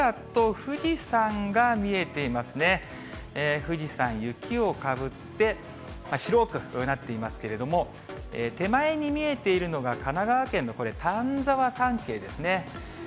富士山、雪をかぶって、白くなっていますけれども、手前に見えているのが、神奈川県のこれ、丹沢山系ですね。